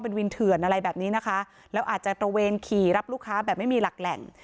เป็นวินเถื่อนอะไรแบบนี้นะคะแล้วอาจจะตระเวนขี่รับลูกค้าแบบไม่มีหลักแหล่ง